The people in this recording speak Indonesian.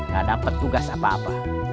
gak dapat tugas apa apa